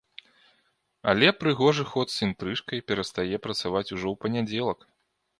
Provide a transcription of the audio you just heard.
Але прыгожы ход з інтрыжкай перастае працаваць ужо ў панядзелак.